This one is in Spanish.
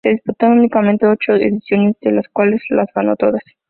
Se disputaron únicamente ocho ediciones, de las cuales las ganó todas.